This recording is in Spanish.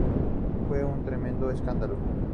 Fue un tremendo escándalo.